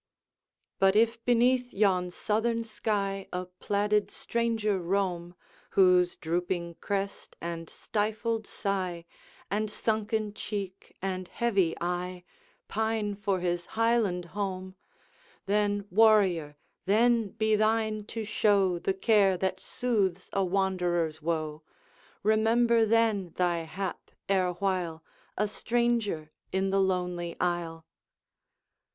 'But if beneath yon southern sky A plaided stranger roam, Whose drooping crest and stifled sigh, And sunken cheek and heavy eye, Pine for his Highland home; Then, warrior, then be thine to show The care that soothes a wanderer's woe; Remember then thy hap erewhile, A stranger in the lonely isle.